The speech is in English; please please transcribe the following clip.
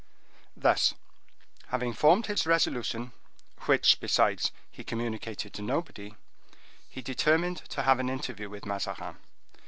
Thus, having formed his resolution, which, besides, he communicated to nobody, he determined to have an interview with Mazarin.